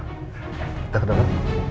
kita ke dalam